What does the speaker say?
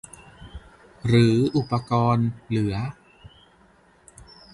หรืออุปกรณ์เหลือ